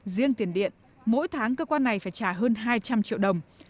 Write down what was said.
riêng tiền điện mỗi tháng cơ quan này phải trả hơn hai trăm linh triệu đồng